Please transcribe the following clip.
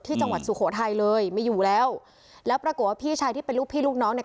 จังหวัดสุโขทัยเลยไม่อยู่แล้วแล้วปรากฏว่าพี่ชายที่เป็นลูกพี่ลูกน้องเนี่ย